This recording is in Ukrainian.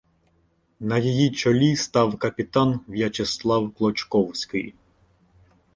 На її чолі став капітан В’ячеслав Клочковський.